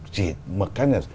chỉ một cách